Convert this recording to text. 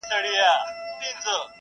تعبیر مي کړی پر ښه شګون دی ,